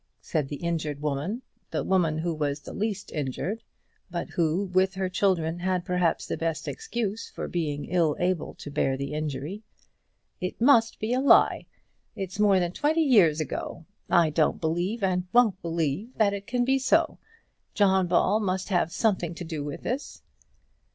said the injured woman, the woman who was the least injured, but who, with her children, had perhaps the best excuse for being ill able to bear the injury. "It must be a lie. It's more than twenty years ago. I don't believe and won't believe that it can be so. John Ball must have something to do with this."